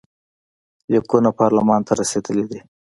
لیکونه پارلمان ته رسېدلي دي.